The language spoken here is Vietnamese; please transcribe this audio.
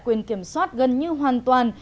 quyền kiểm soát gần như hoàn toàn